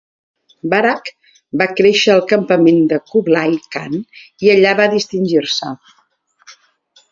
Baraq va créixer al campament de Kublai Khan i allà va distingir-se.